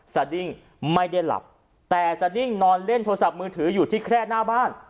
สดิ้งไม่ได้หลับแต่สดิ้งนอนเล่นโทรศัพท์มือถืออยู่ที่แคร่หน้าบ้าน